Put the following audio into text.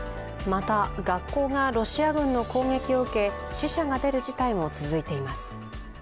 また学校がロシア軍の攻撃を受け死者が出る事態も続いています。